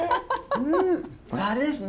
あれですね